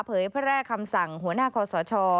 เผยแพร่คำสั่งหัวหน้าคอสช